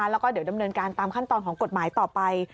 แล้วก็เดี๋ยวดำเนินการตามขั้นตอนของกฎหมายต่อไป